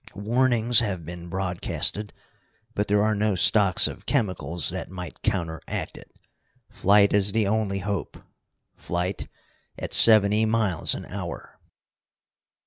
Warnings have been broadcasted, but there are no stocks of chemicals that might counteract it. Flight is the only hope flight at seventy miles an hour!"